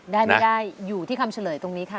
ได้ไม่ได้อยู่ที่คำเฉลยตรงนี้ค่ะ